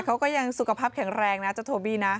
เขาก็ยังสุขภาพแข็งแรงนะเจ้าโทบี้นะ